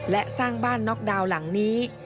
และสร้างบ้านน็อกดาวน์หลังนี้